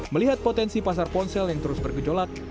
melihat potensi pasar ponsel yang terus bergejolak